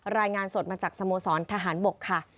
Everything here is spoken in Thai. รายงานสดมาจากสโมสรทหารบกค่ะ